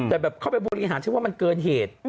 แต่แบบเข้าไปบริหารฉันว่ามันเกินเหตุ